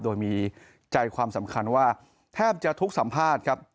โดยมีใจความสำคัญว่าแทบจะทุกสัมภาษณ์ครับ